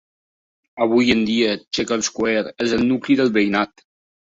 Avui en dia, Shaker Square és el nucli del veïnat.